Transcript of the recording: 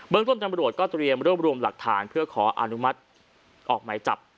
เบื้องต้นจังบริโหทก็เตรียมร่วมหลักฐานเพื่อขออนุมัติออกใหม่จับ